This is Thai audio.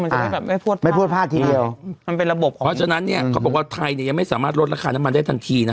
มันจะได้แบบไม่พวดไม่พวดพลาดทีเดียวมันเป็นระบบของเพราะฉะนั้นเนี่ยเขาบอกว่าไทยเนี่ยยังไม่สามารถลดราคาน้ำมันได้ทันทีนะ